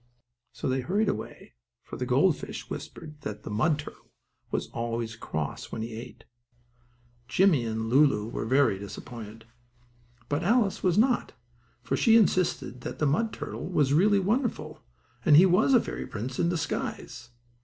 So they hurried away, for the gold fish whispered that the mud turtle was always cross when he ate. Jimmie and Lulu were much disappointed, but Alice was not, for she insisted that the mud turtle was really wonderful, and was a fairy prince in disguise.